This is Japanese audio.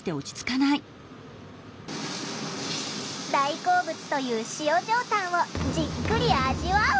大好物という塩上タンをじっくり味わう。